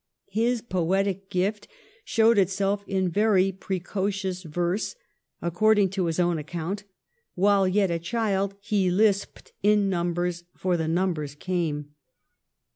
His poetic gift showed itself in very precocious verse ; according to his own ac count, ' while yet a child ' he ' hsped in numbers, for the numbers came.'